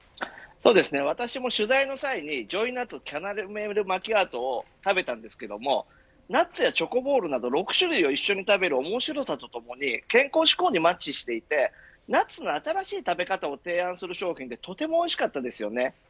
私も取材の際にジョイナッツキャラメルマキアートを食べたんですけれどもナッツやチョコボーロなど６種類を一緒に食べる面白さとともに健康志向にマッチしていてナッツの新しい食べ方を提案する商品でとてもおいしかったですよね。